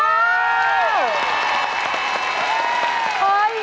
๗๙บาท